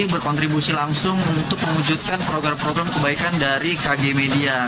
berkontribusi langsung untuk mewujudkan program program kebaikan dari kg media